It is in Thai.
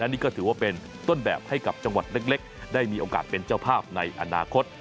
นี่ก็ถือว่าเป็นต้นแบบให้กับจังหวัดเล็กได้มีโอกาสเป็นเจ้าภาพในอนาคต